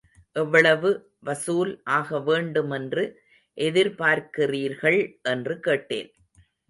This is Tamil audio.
எவ்வளவு வசூல் ஆக வேண்டுமென்று எதிர்பார்க்கிறீர்கள் என்று கேட்டேன்.